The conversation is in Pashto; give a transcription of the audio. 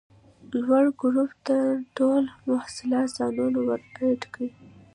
لوړ ګروپ ته ټوله محصلان ځانونه ور اډ کئ!